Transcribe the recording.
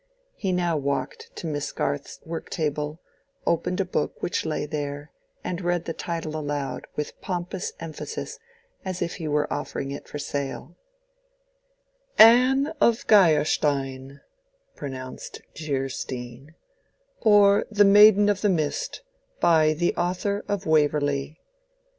He now walked to Miss Garth's work table, opened a book which lay there and read the title aloud with pompous emphasis as if he were offering it for sale: "'Anne of Geierstein' (pronounced Jeersteen) or the 'Maiden of the Mist, by the author of Waverley.